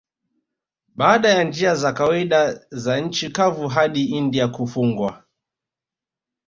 Baada ya njia za kawaida za nchi kavu hadi India kufungwa